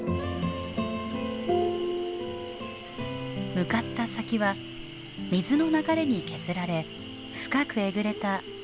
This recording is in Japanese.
向かった先は水の流れに削られ深くえぐれた木の根元。